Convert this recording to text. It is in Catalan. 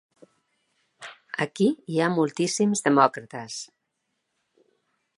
Aquí hi ha moltíssims demòcrates.